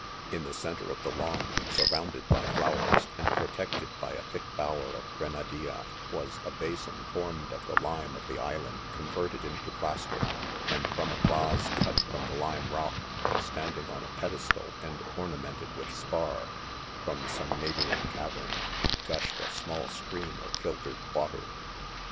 In the centre of the lawn surrounded by flowers, and protected by a thick bower of grenadilla, was a bason formed of the lime of the island converted into plaster,, and from a Tase cut from the lime rock, (standing on aped estal, and ornamented with spar, from some neighboring cavern,) gushed a small stream of filtered water.